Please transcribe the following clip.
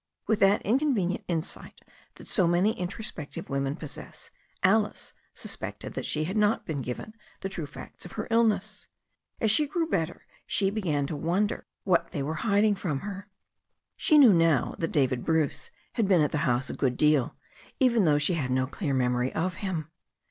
With that inconvenient insight that so many introspective women possess, Alice suspected that she had not been given the true facts of her illness. As she grew better she began to wonder what they were hiding from her. She knew now that David Bruce had been at the house a good deal, even though she had no clear memory of him.